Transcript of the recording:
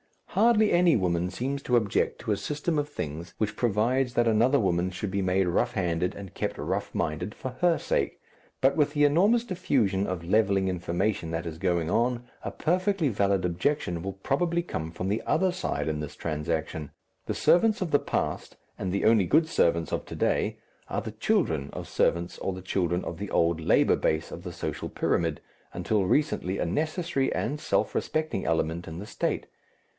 Hardly any woman seems to object to a system of things which provides that another woman should be made rough handed and kept rough minded for her sake, but with the enormous diffusion of levelling information that is going on, a perfectly valid objection will probably come from the other side in this transaction. The servants of the past and the only good servants of to day are the children of servants or the children of the old labour base of the social pyramid, until recently a necessary and self respecting element in the State.